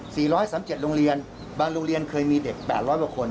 ร้อยสามเจ็ดโรงเรียนบางโรงเรียนเคยมีเด็กแปดร้อยกว่าคน